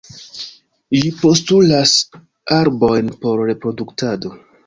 Ĝi postulas arbojn por reproduktado.